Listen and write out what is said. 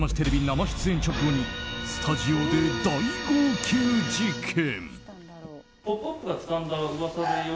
生出演直後にスタジオで大号泣事件。